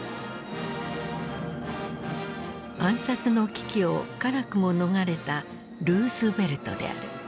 暗殺の危機を辛くも逃れたルーズベルトである。